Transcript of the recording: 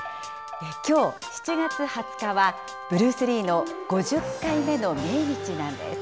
きょう７月２０日は、ブルース・リーの５０回目の命日なんです。